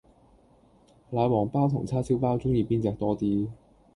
奶黃飽同叉燒飽鍾意邊隻多 D